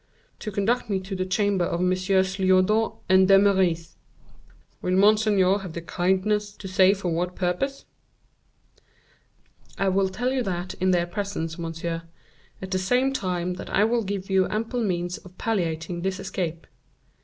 "To conduct me to the chamber of Messieurs Lyodot and D'Eymeris." "Will monseigneur have the kindness to say for what purpose?" "I will tell you that in their presence, monsieur; at the same time that I will give you ample means of palliating this escape."